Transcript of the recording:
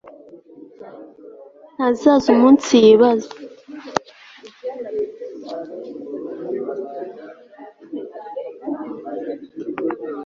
ntazaza umunsi yibaza